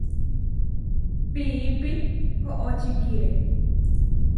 Piípi oʼočikíe.